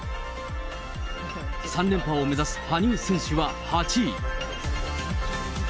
３連覇を目指す羽生選手は８位。